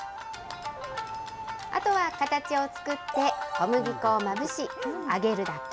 あとは形を作って、小麦粉をまぶし、揚げるだけ。